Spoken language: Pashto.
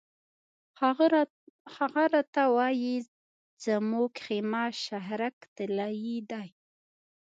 هغه راته وایي زموږ خیمه شهرک طلایي دی.